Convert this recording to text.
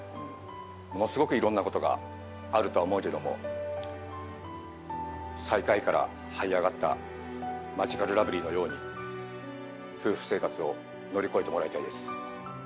ものすごくいろんな事があるとは思うけども最下位からはい上がったマヂカルラブリーのように夫婦生活を乗り越えてもらいたいです。